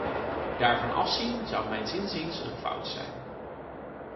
Daarvan afzien zou mijns inziens een fout zijn.